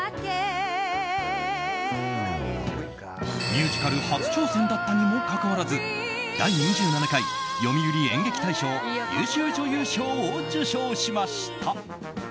ミュージカル初挑戦だったにもかかわらず第２７回読売演劇大賞優秀女優賞を受賞しました。